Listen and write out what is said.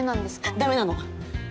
ダメなの。